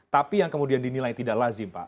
tapi yang kemudian dinilai tidak lazim pak